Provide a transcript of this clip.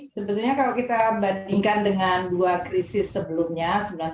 sebetulnya kalau kita bandingkan dengan dua krisis sebelumnya